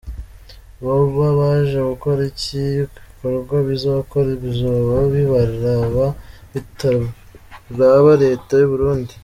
Boba baje gukora iki? Ibikorwa bazokora bizoba bibaraba bitaraba leta y'Uburundi.